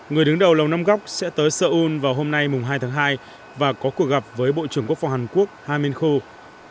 người đứng đầu lầu năm góc sẽ tới seoul vào hôm nay hai tháng hai và có cuộc gặp với bộ trưởng quốc phòng hàn quốc ha min koo